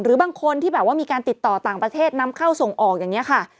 บางคนที่แบบว่ามีการติดต่อต่างประเทศนำเข้าส่งออกอย่างนี้ค่ะ